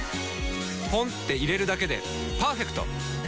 ポンって入れるだけでパーフェクト！